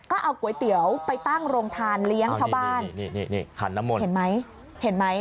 ก็เอาก๋วยเตี๋ยวไปตั้งโรงทานเลี้ยงชาวบ้านนี่นี่ขันน้ำมนต์เห็นไหมเห็นไหม